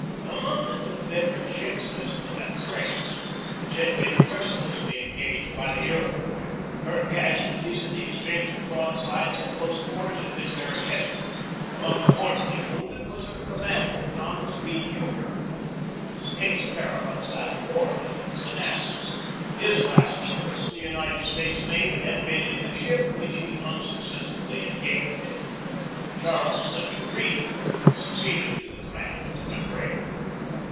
Among the Confederate ships was the McRae, which had been mercilessly engaged by the Iroquois. Her casualties in the exchange of broadsides at close quarters had been very heavy. Among the mortally wounded was her commander, Thomas B. Huger, whose case parallels that of Warley, of the Manassas. His last service in the United States Navy had been in the ship which he unsuccessfully engaged. Charles W. Read succeeded to the command of the McRae.